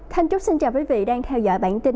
thanh trúc xin chào quý vị đang theo dõi bản tin